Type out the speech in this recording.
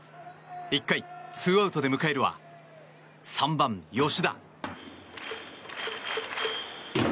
１回、２アウトで迎えるは３番、吉田。